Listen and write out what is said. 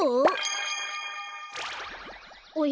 おや？